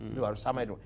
itu harus sama itu